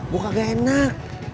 gue kagak enak